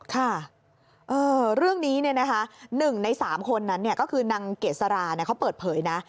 ค่ะเรื่องนี้๑ใน๓คนนั้นก็คือนางเกษราเขาเปิดเผยนะ